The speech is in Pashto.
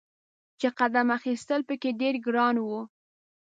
چې قدم اخیستل په کې ډیر ګران و.